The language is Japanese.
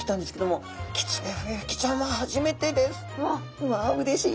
うわうれしい。